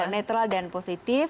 natural dan positif